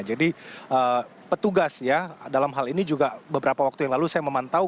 jadi petugas ya dalam hal ini juga beberapa waktu yang lalu saya memantau